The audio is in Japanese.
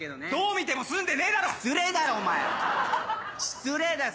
失礼だよ